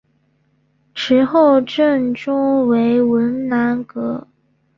池后正中为文澜阁。